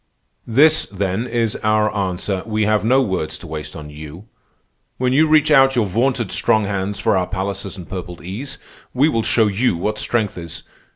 "This, then, is our answer. We have no words to waste on you. When you reach out your vaunted strong hands for our palaces and purpled ease, we will show you what strength is.